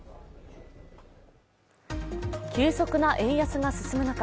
急速な円安が進む中